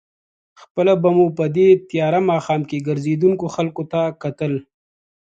خپله به مو په دې تېاره ماښام کې ګرځېدونکو خلکو ته کتل.